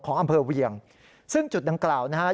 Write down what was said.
ของอำเภอเวียงซึ่งจุดดังกล่าวนะฮะ